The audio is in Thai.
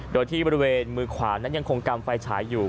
โดยที่บริเวณมือขวานั้นยังคงกำไฟฉายอยู่